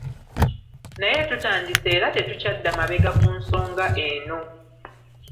Naye tutandise era tetukyadda mabega ku nsonga eno.